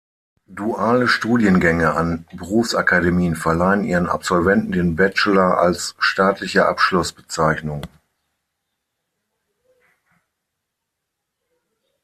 Duale Studiengänge an Berufsakademien verleihen ihren Absolventen den ‚Bachelor‘ als staatliche Abschlussbezeichnung.